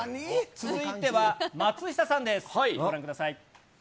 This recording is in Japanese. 続いては松下さんです。